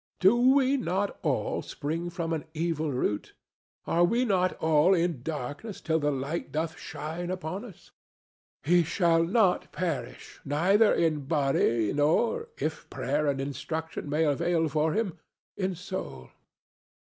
"Do we not all spring from an evil root? Are we not all in darkness till the light doth shine upon us? He shall not perish, neither in body nor, if prayer and instruction may avail for him, in soul."